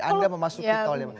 anda memasuki tolnya